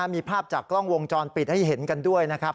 มีภาพจากกล้องวงจรปิดให้เห็นกันด้วยนะครับ